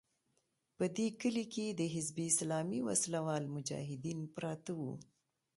په دې کلي کې د حزب اسلامي وسله وال مجاهدین پراته وو.